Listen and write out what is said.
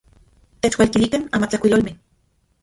Techualikilikan amatlajkuilolmej.